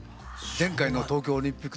前回の東京オリンピック？